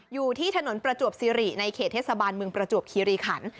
อยู่ที่ถนนประจวบซิริในเขตเทศบาลเมืองประจวบคีรีขัน